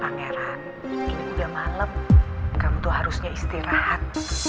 pangeran ini udah malam kamu tuh harusnya istirahat